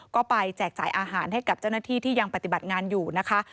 ก็ไปแจกจ่ายอาหารให้กับเจ้าหน้าที่ที่ยังปฏิบัติงานอยู่นะคะ